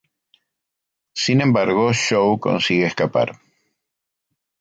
Sin embargo, Joe consigue escapar.